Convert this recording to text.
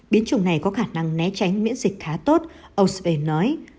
biến chủng này có khả năng né tránh miễn dịch khá tốt ông schreiber nói